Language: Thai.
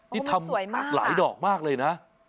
ที่ทำหลายดอกมากเลยนะ